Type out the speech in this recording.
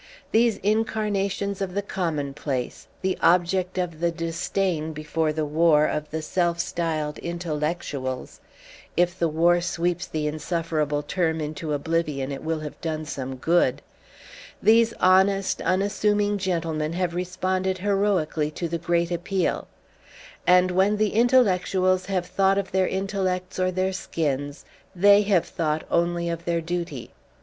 These incarnations of the commonplace, the object of the disdain, before the war, of the self styled "intellectuals" if the war sweeps the insufferable term into oblivion it will have done some good these honest unassuming gentlemen have responded heroically to the great appeal; and when the intellectuals have thought of their intellects or their skins, they have thought only of their duty.